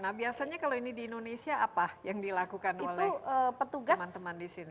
nah biasanya kalau ini di indonesia apa yang dilakukan oleh teman teman di sini